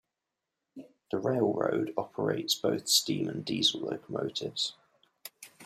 The railroad operates both steam and diesel locomotives.